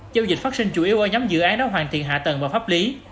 giao dịch phát sinh chủ yếu ở nhóm dự án đã hoàn thiện hạ tầng và pháp lý